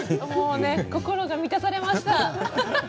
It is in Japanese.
心が満たされました。